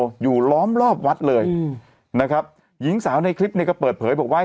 ก็คือคอนโดอยู่ล้อมรอบวัดเลยนะครับหญิงสาวในคลิปเนี้ยก็เปิดเผยบอกว่า